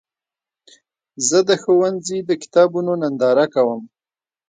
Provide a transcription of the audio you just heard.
زه د ښوونځي د کتابونو ننداره کوم.